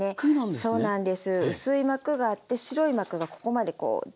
そうなんです。